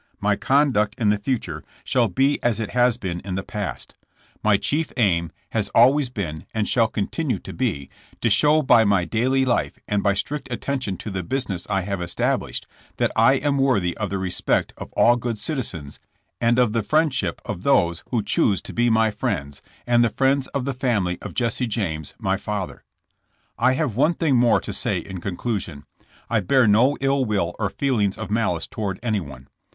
My con duct in the future shall be as it has been in the past. IN CONCI«USI01f. 189 My chief aim has always been, and shall continue to be, to show by my daily life, and by strict attention to the business I have established, that I am worthy of the respect of all good citizens and of the friendship of those who choose to be my friends, and the friends of the family of Jesse James, my father. I have one thing more to say in conclusion. I bear no ill will or feelings of malice toward anyone.